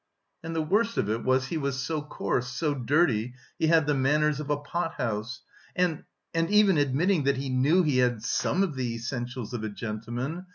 "And... the worst of it was he was so coarse, so dirty, he had the manners of a pothouse; and... and even admitting that he knew he had some of the essentials of a gentleman...